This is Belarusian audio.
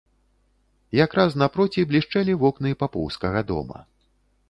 Якраз напроці блішчэлі вокны папоўскага дома.